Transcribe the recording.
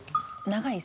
長い？